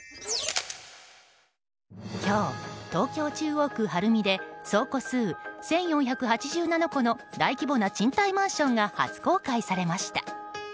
今日、東京・中央区晴海で総戸数１４８７戸の大規模な賃貸マンションが初公開されました。